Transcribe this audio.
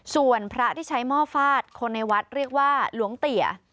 ส่วนพระที่ใช้หม้อฟาดคนในวัดเรียกว่าหลวงเตี๋ย